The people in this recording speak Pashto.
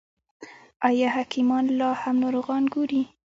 آیا حکیمان لا هم ناروغان ګوري؟